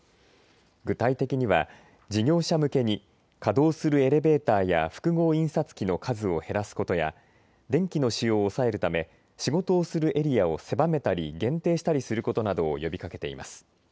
具体的には事業者向けに稼働するエレベーターや複合印刷機の数を減らすことや電気の使用を抑えるため仕事をするエリアを狭めたり限定したりすることなどを呼びかけています。